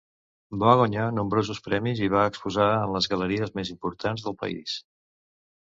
Va guanyar nombrosos premis i va exposar en les galeries més importants del país.